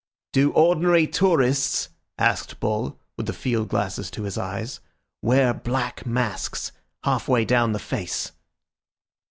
"Do ordinary tourists," asked Bull, with the fieldglasses to his eyes, "wear black masks half way down the face?"